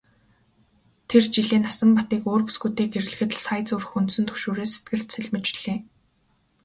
Тэр жилээ Насанбатыг өөр бүсгүйтэй гэрлэхэд л сая зүрх хөндсөн түгшүүрээс сэтгэл цэлмэж билээ.